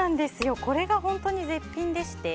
これが本当に絶品でして。